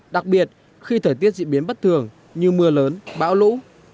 đặc biệt khi thời tiết diễn biến bất thường như mưa lớn bão lũ